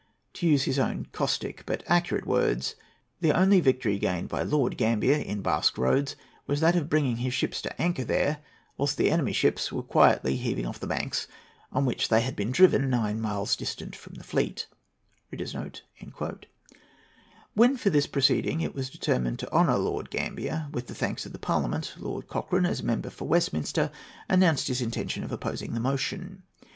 To use his own caustic but accurate words, "The only victory gained by Lord Gambier in Basque Roads was that of bringing his ships to anchor there, whilst the enemy's ships were quietly heaving off from the banks on which they had been driven nine miles distant from the fleet." When for this proceeding it was determined to honour Lord Gambier with the thanks of Parliament, Lord Cochrane, as member for Westminster, announced his intention of opposing the motion.